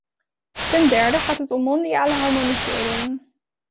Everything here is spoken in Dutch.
Ten derde gaat het om mondiale harmonisering.